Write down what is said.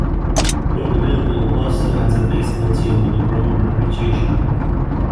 Ward Melville also has a baseball team with a growing reputation.